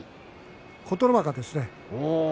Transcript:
琴ノ若ですね。